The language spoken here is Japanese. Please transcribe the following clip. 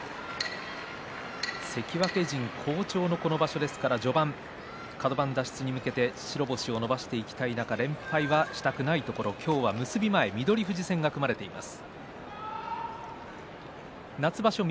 関脇陣好調のこの場所ですから序盤、カド番脱出に向けて白星を伸ばしていきたい中連敗はしたくないところ今日は結び前に翠富士戦が組まれています。